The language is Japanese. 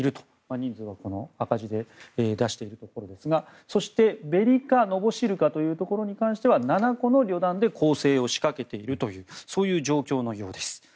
人数は、この赤字で出しているところですがそして、ベリカ・ノボシルカというところに関しては７個の旅団で攻勢を仕掛けているというそういう状況のようです。